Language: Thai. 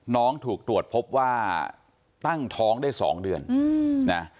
น้องถูกตรวจพบว่าตั้งท้องได้๒เดือนนะ